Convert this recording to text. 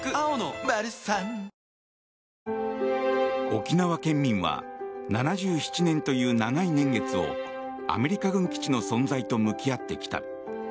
沖縄県民は７７年という長い年月をアメリカ軍基地の存在と向き合ってきた。